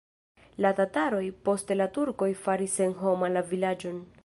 La tataroj, poste la turkoj faris senhoma la vilaĝon.